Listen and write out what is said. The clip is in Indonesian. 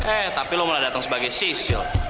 eh tapi lo malah dateng sebagai sisil